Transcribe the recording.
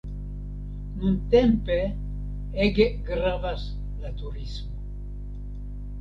Nuntempe ege gravas la turismo.